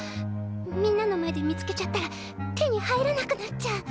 みんなの前で見つけちゃったら手に入らなくなっちゃう。